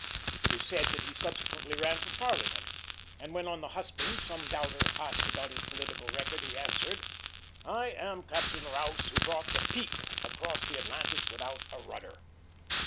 It is said that he subsequently ran for Parliament, and when on the hustings some doubter asked about his political record, he answered, "I am Captain Rous who brought the Pique across the Atlantic without a rudder."